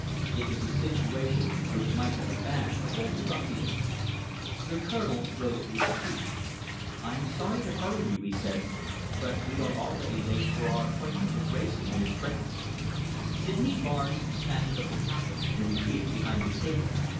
It was a situation which might have abashed a bolder ruffian. The Colonel rose to his feet. "I am sorry to hurry you," he said, "but we are already late for our appointment with Wrayson and his friends." Sydney Barnes snatched up the packet and retreated behind the table.